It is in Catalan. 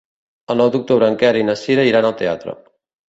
El nou d'octubre en Quer i na Cira iran al teatre.